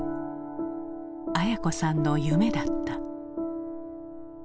文子さんの夢だった。